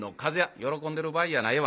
喜んでる場合やないわ。